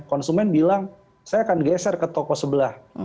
konsumen bilang saya akan geser ke toko sebelah